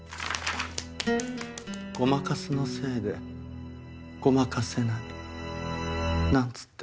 胡麻カスのせいでごまかせないなんつって。